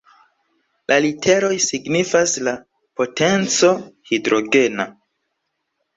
La literoj signifas la "potenco Hidrogena".